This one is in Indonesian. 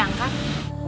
gatau gak kedengeran bos